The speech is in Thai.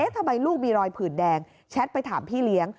ทำไมลูกมีรอยผื่นแดงแชทไปถามพี่เลี้ยง